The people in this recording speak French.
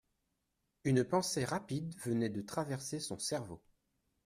Une pensée rapide venait de traverser son cerveau.